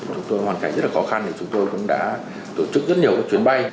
chúng tôi hoàn cảnh rất là khó khăn chúng tôi cũng đã tổ chức rất nhiều chuyến bay